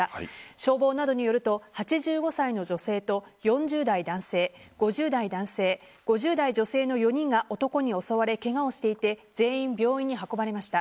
消防などによると８５歳の女性と４０代男性、５０代男性５０代女性の４人が男に襲われケガをしていて全員病院に運ばれました。